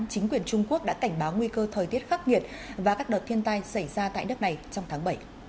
chính quyền trung quốc đã cảnh báo nguy cơ thời tiết khắc nghiệt và các đợt thiên tai xảy ra tại nước này trong tháng bảy